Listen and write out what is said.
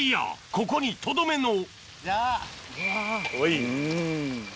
ここにとどめのじゃあ。